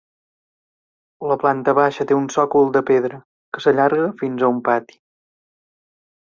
La planta baixa té un sòcol de pedra, que s'allarga fins a un pati.